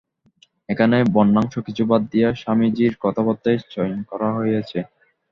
এখানেও বর্ণনাংশ কিছু বাদ দিয়া স্বামীজীর কথাবার্তাই চয়ন করা হইয়াছে।